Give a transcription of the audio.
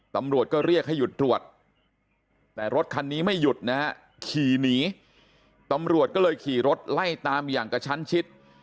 ตำรวจก็เรียกให้หยุดตรวจแต่รถคันนี้ไม่หยุดนะฮะขี่หนีตำรวจก็เลยขี่รถไล่ตามอย่างกระชั้นชิด